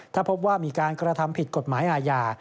ถ้าพบว่ามีการกระทำผิดกฎหมายอาญา